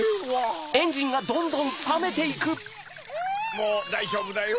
もうだいじょうぶだよ